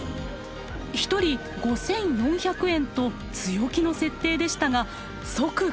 １人５，４００円と強気の設定でしたが即完売。